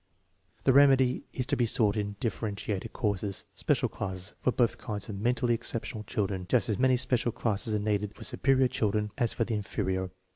The remedy is to be sought in differentiated courses (special classes) for both kinds of mentally exceptional children. Just as many special classes are needed for su perior children as for the inferior.